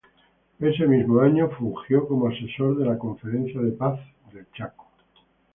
Ese mismo año, fungió como asesor de la conferencia de paz del Chaco.